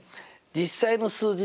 実際の数字。